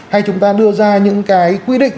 hay chúng ta đưa ra những cái quy định